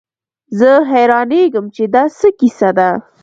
زه حيرانېږم چې دا څه کيسه ده.